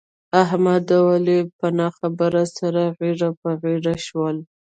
احمد او علي په نه خبره سره غېږ په غېږ شول.